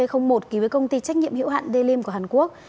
ký với công ty trách nhiệm hiệu hạn d lim của hàn quốc